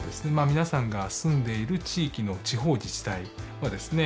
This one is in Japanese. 皆さんが住んでいる地域の地方自治体はですね